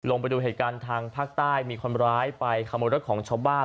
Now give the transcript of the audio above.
ไปดูเหตุการณ์ทางภาคใต้มีคนร้ายไปขโมยรถของชาวบ้าน